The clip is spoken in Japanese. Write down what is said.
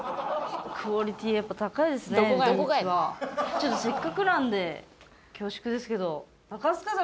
ちょっとせっかくなんで恐縮ですけど。